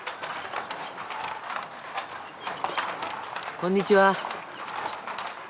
こんにちは。